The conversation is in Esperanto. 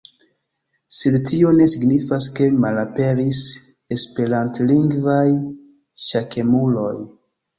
Sed tio ne signifas ke malaperis esperantlingvaj ŝakemuloj.